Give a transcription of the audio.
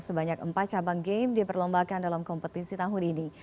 sebanyak empat cabang game diperlombakan dalam kompetisi tahun ini